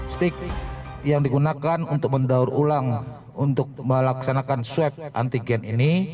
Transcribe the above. stick yang digunakan untuk mendaur ulang untuk melaksanakan swab antigen ini